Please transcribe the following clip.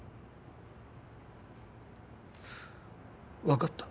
わかった。